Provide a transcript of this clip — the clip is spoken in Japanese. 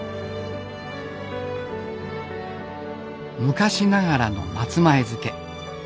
昔ながらの松前漬。